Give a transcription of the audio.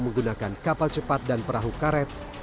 menggunakan kapal cepat dan perahu karet